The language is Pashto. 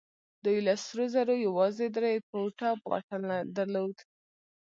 دوی له سرو زرو يوازې درې فوټه واټن درلود.